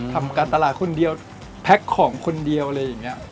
ทำการตลาดคนเดียวแพ็คของคนเดียวอะไรอย่างนี้